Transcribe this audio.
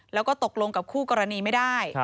แล้วก็ตกลงกับคู่กรณีไม่ได้